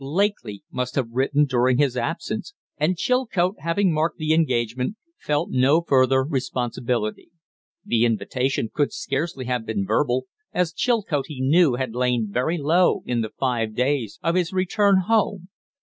Lakely must have written during his absence, and Chilcote, having marked the engagement, felt no further responsibility. The invitation could scarcely have been verbal, as Chilcote, he knew, had lain very low in the five days of his return home.